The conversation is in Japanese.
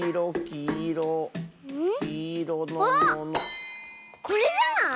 あっこれじゃない？